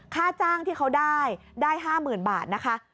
ค่าจ้างที่เขาได้ได้๕๐๐๐บาทนะคะ